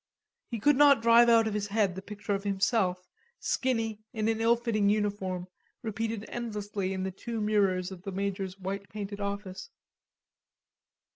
He could not drive out of his head the picture of himself, skinny, in an illfitting uniform, repeated endlessly in the two mirrors of the Major's white painted office.